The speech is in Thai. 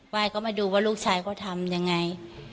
ไหว้เขามาดูว่าลูกชายเขาทำยังไง